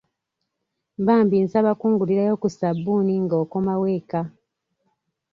Bambi nsaba kungulirayo ku sabbuuni nga okomawo eka.